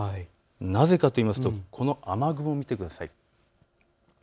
なぜかというとこの雨雲を見てください。